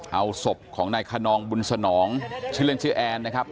เอาศพของนายคนนองบุญสนองชื่อเล่นชื่อแอนนะครับ